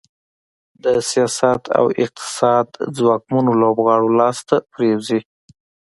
د سیاست او اقتصاد ځواکمنو لوبغاړو لاس ته پرېوځي.